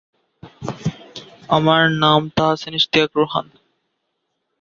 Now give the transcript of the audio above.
চ্যান একজন সাংস্কৃতিক আইকন হিসেবে পরিচিত।